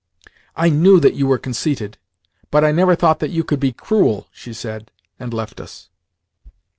"I knew that you were conceited, but I never thought that you could be cruel," she said, and left us.